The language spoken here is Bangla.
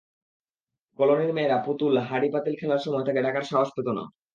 কলোনির মেয়েরা পুতুল খেলা, হাঁড়ি-পাতিল খেলার সময় তাকে ডাকার সাহস পেত না।